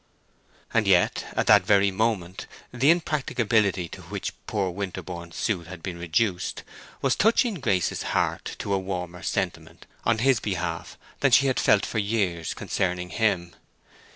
And yet at that very moment the impracticability to which poor Winterborne's suit had been reduced was touching Grace's heart to a warmer sentiment on his behalf than she had felt for years concerning him.